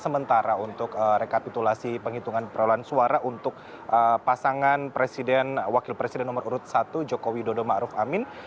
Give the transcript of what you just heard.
sementara untuk rekapitulasi penghitungan perlawanan suara untuk pasangan wakil presiden nomor urut satu jokowi dodo ma'ruf amin